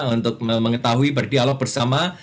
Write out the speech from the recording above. untuk mengetahui berdialog bersama